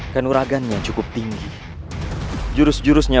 perlu kutelepon mereka